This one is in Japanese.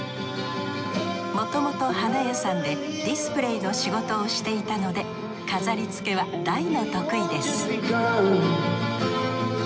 もともと花屋さんでディスプレーの仕事をしていたので飾りつけは大の得意です